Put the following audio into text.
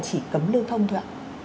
chỉ cấm lưu thông thôi ạ